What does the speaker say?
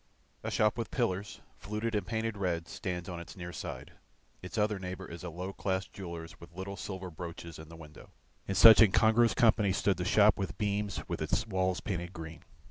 A shop with pillars, fluted and painted red, stands on its near side, its other neighbour is a low class jeweller's with little silver brooches in the window. In such incongruous company stood the shop with beams with its walls painted green.